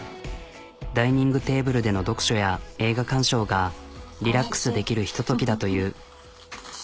ダイニングテーブルでの読書や映画鑑賞がリラックスできるひとときだという。